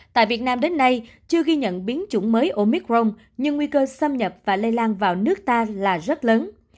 tại việt nam đến nay chưa ghi nhận biến chủng mới omicron nhưng nguy cơ xâm nhập và lây lan vào nước ta là rất lớn